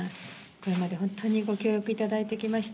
これまで本当にご協力いただいてきました。